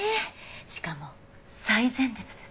しかも最前列です。